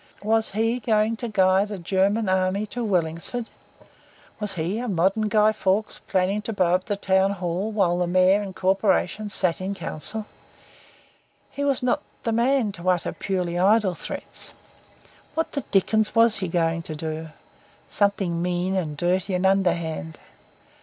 Was he going to guide a German Army to Wellingsford? Was he, a modern Guy Fawkes, plotting to blow up the Town Hall while Mayor and Corporation sat in council? He was not the man to utter purely idle threats. What the dickens was he going to do? Something mean and dirty and underhand.